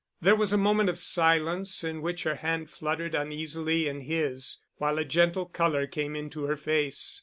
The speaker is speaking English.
There was a moment of silence in which her hand fluttered uneasily in his, while a gentle color came into her face.